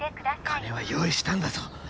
金は用意したんだぞ